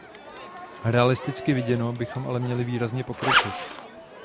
Realisticky viděno bychom ale měli výrazně pokročit.